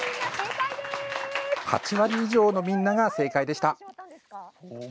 ８割以上のみんなが正解でした。